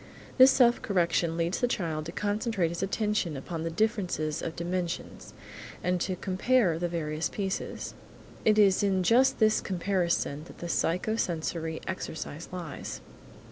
This self correction leads the child to concentrate his attention upon the differences of dimensions, and to compare the various pieces. It is in just this comparison that the psycho sensory exercise lies.